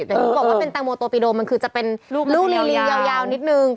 แต่เขาบอกว่าเป็นแตงโมตัวปีโดมันคือจะเป็นลูกริวยาวนิดนึง